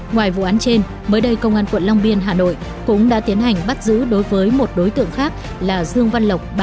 ngoài vụ án trên mới đây công an quận long biên hà nội cũng đã tiến hành bắt giữ đối với một đối tượng khác là dương văn lộc